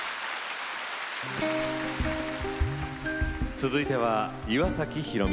続いては岩崎宏美さん。